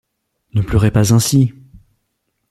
Ne pleurez pas ainsi !